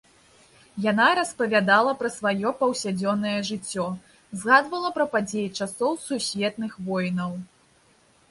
Яна распавядала пра сваё паўсядзённае жыццё, згадвала пра падзеі часоў сусветных войнаў.